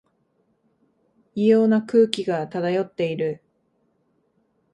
異様な空気が漂っている